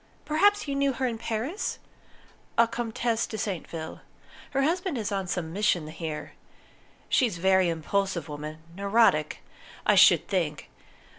Perhaps you knew her in Paris? A Comtesse de Saintville: her husband is on some mission here. She's a very impulsive woman neurotic, I should think.